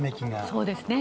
そうですね。